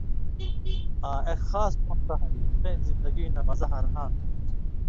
آں اېک خاص وختہ ہاریۡ تَیں زِندگی نہ مزہ ہر ہاں تھو۔